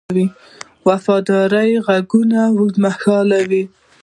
د وفادارۍ ږغونه اوږدمهاله وي.